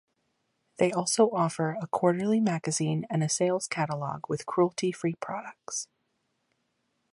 They also offer a quarterly magazine and a sales catalogue with cruelty-free products.